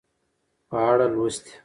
په اړه لوستي